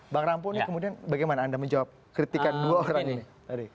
bang rampo ini kemudian bagaimana anda menjawab kritikan dua orang ini